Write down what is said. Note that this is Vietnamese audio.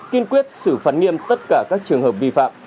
kiên quyết xử phạt nghiêm tất cả các trường hợp vi phạm